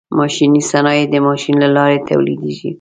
ماشیني صنایع د ماشین له لارې تولیدیږي.